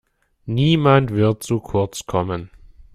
Niemand wird zu kurz kommen.